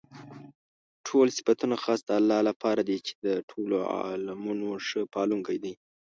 ټول صفتونه خاص د الله لپاره دي چې د ټولو عالَمونو ښه پالونكى دی.